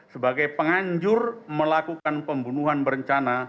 sebagai penganjur melakukan pembunuhan berencana